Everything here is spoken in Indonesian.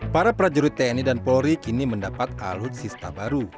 para prajurit tni dan polri kini mendapat alutsista baru